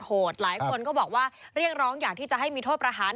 หลายคนก็บอกว่าเรียกร้องอยากที่จะให้มีโทษประหาร